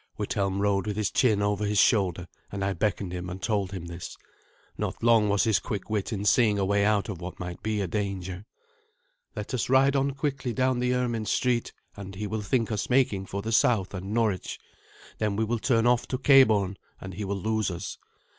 Withelm rode with his chin over his shoulder, and I beckoned him and told him this. Not long was his quick wit in seeing a way out of what might be a danger. "Let us ride on quickly down the Ermin Street, and he will think us making for the south and Norwich. Then we will turn off to Cabourn, and he will lose us.